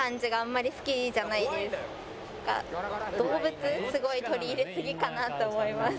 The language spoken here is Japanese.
動物すごい取り入れすぎかなって思います。